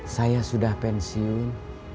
saya sudah pensiun